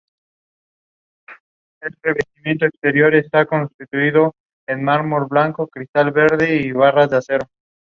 Sus restos reposan en el cementerio de Montmartre.